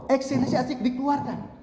ekskresi asli dikeluarkan